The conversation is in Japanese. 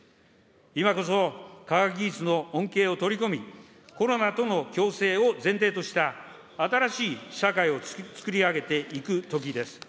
今こそ、科学技術の恩恵を取り込み、コロナとの共生を前提とした新しい社会をつくり上げていくときです。